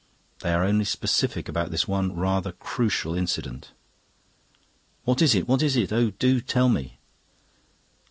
They are only specific about this one rather crucial incident." "What is it? What is it? Oh, do tell me!"